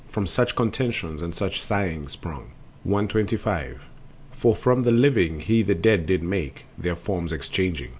From such contentions and such sighings sprung! The Changing Forms. 125. For from the living he the dead did make, Their forms exchanging...